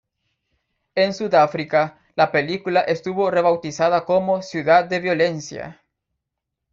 En Sudáfrica, la película estuvo rebautizada como "Ciudad de Violencia".